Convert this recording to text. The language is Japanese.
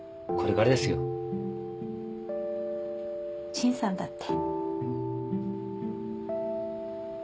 陳さんだって。